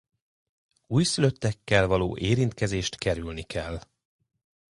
Újszülöttekkel való érintkezést kerülni kell.